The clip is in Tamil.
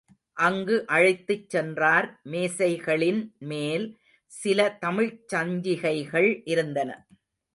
அங்கு அழைத்துச் சென்றார் மேசைகளின் மேல், சில தமிழ்ச் சஞ்சிகைகள் இருந்தன.